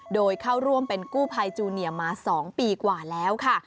โดยเข้าร่วมเป็นกู้ภัยจูเนียมา๒ปีกว่าแล้วค่ะ